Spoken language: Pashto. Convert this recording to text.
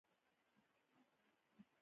يو چا ږغ وکړ هلته راسئ دا خو ژوندى دى.